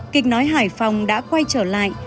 kịch nói hải phòng đã quay trở lại